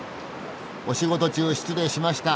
お仕事中失礼しました。